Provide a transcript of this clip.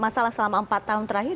masalah selama empat tahun terakhir